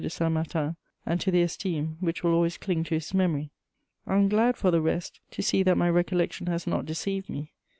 de Saint Martin and to the esteem which will always cling to his memory. I am glad, for the rest, to see that my recollection has not deceived me: M.